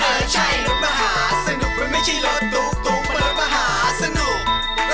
เออใช่รถมหาสนุกมันไม่ใช่รถตุ๊กเบอร์มหาสนุก